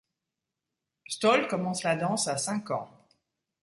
Stoll commence la danse à cinq ans.